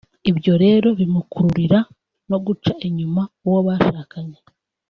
Ibyo rero bimukururira no guca inyuma uwo bashakanye